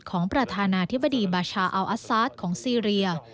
ของประธานาธิบดีบาชาอัลอัสซาสของซีเรีย